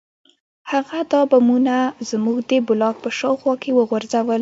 هغه دا بمونه زموږ د بلاک په شاوخوا کې وغورځول